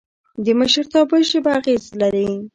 د مشرتابه ژبه اغېز لري